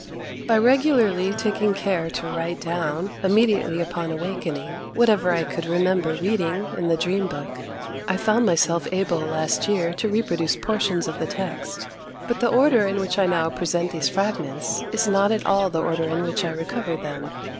By regularly taking care to write down, immediately upon awakening, whatever I could remember reading in the dream book, I found myself able last year to reproduce portions of the text. But the order in which I now present these fragments is not at all the order in which I recovered them.